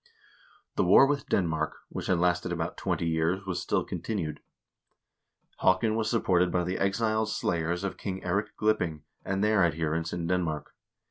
The war with Denmark, which had lasted about twenty years, was still continued. Haakon was supported by the exiled slayers of King Eirik Glipping and their adherents in Denmark.